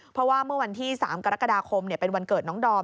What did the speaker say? เพราะว่าเมื่อวันที่๓กรกฎาคมเป็นวันเกิดน้องดอม